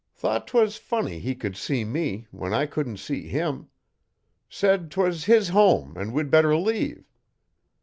Thought 'twas funny he could see me when I couldn't see him. Said 'twas his home an' we'd better leave.